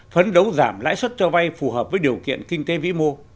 phấn đấu giảm lãi suất cho vay phù hợp với điều kiện kinh tế vĩ mô